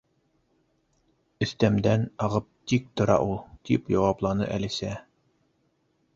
—Әҫтәмдән ағып тик тора ул, —тип яуапланы Әлисә.